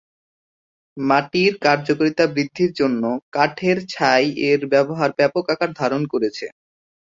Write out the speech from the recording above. মাটির কার্যকারিতা বৃদ্ধির জন্য কাঠের ছাই-এর ব্যবহার ব্যাপক আকার ধারণ করে।